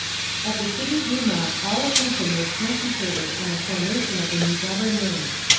At the City Duma all attention was concentrated on the formation of the new Government.